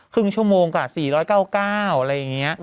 ครึ่งชั่วโมงกว่า๔๙๙อะไรอย่างนี้